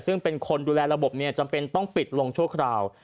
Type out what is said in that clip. ซึ่งเป็นคนดูแลระบบจำเป็นต้องปิดลงชั่วคราว